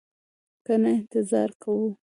که نه انتظار کوو.